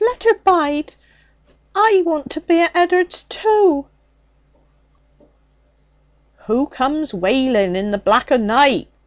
Let her bide. I want to be at Ed'ard's, too.' 'Who comes wailing in the black o' night?'